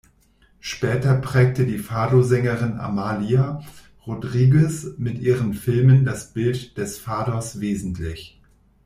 Später prägte die Fadosängerin Amália Rodrigues mit ihren Filmen das Bild des Fados wesentlich.